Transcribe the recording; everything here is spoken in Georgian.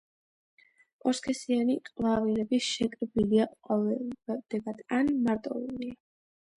ორსქესიანი ყვავილები შეკრებილია ყვავილედებად ან მარტოულია.